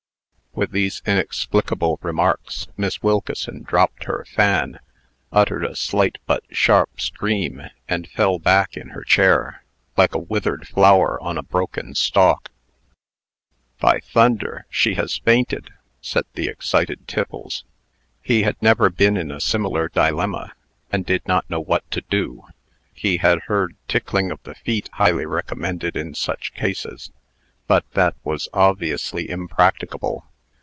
"With these inexplicable remarks, Miss Wilkeson dropped her fan, uttered a slight but sharp scream, and fell back in her chair, like a withered flower on a broken stalk. "By thunder, she has fainted!" said the excited Tiffles. He had never been in a similar dilemma, and did not know what to do. He had heard tickling of the feet highly recommended in such cases; but that was obviously impracticable.